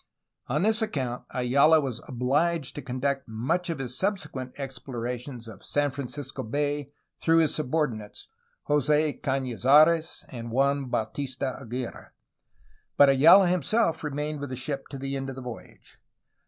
On this account Ayala was obliged to conduct much of his subsequent ex plorations of San Francisco Bay through his subordinates, Jose Canizares and Juan Bautista Aguirre, but Ayala him self remained with the ship to the end of the voyage.